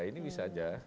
ini bisa saja